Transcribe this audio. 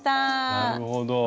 なるほど。